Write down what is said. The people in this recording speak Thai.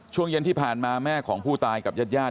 ช่วงเย็นที่ผ่านมาแม่ของผู้ตายกับญาติญาติ